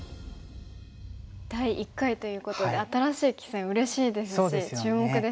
第１回ということで新しい棋戦うれしいですし注目ですね。